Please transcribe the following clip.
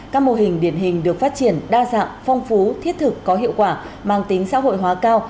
các mô hình điển hình được phát triển đa dạng phong phú thiết thực có hiệu quả mang tính xã hội hóa cao